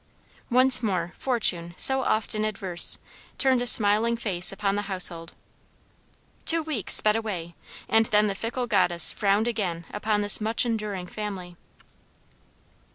Once more fortune, so often adverse, turned a smiling face upon the household. Two weeks sped away and then the fickle goddess frowned again upon this much enduring family.